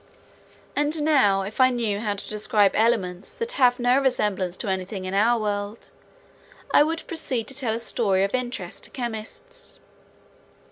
And now if I knew how to describe elements that have no resemblance to anything in our world, I would proceed to tell a story of interest to chemists.